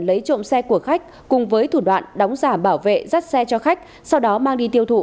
lấy trộm xe của khách cùng với thủ đoạn đóng giả bảo vệ dắt xe cho khách sau đó mang đi tiêu thụ